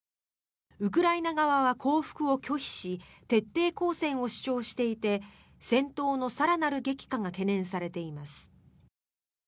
ウクライナ側は降伏を拒否し徹底抗戦を主張していて戦闘の更なる激化が懸念されています。